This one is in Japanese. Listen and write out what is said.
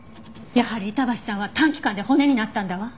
やはり板橋さんは短期間で骨になったんだわ。